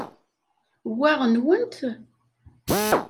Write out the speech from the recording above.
Wa nwent?